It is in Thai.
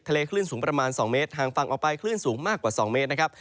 คลื่นสูงประมาณ๒เมตรห่างฝั่งออกไปคลื่นสูงมากกว่า๒เมตรนะครับ